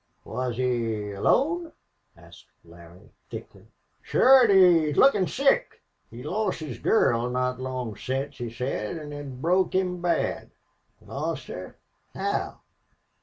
"Was he alone?" asked Larry, thickly. "Sure, an' lookin' sick. He lost his girl not long since, he said, an' it broke him bad." "Lost her! How?"